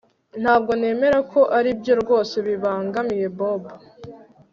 Ntabwo nemera ko aribyo rwose bibangamiye Bobo